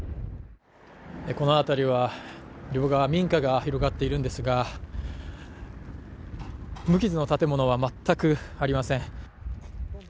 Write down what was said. この辺りは両側民家が広がっているんですが、無傷の建物は、全くありません。